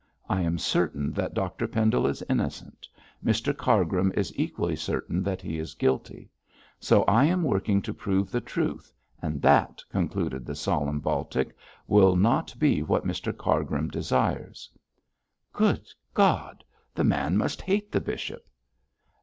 I am certain that Dr Pendle is innocent; Mr Cargrim is equally certain that he is guilty; so I am working to prove the truth, and that,' concluded the solemn Baltic, 'will not be what Mr Cargrim desires.' 'Good God! the man must hate the bishop.'